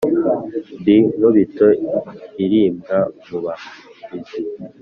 Ndi Nkubito ilirimbwa mu bahizi;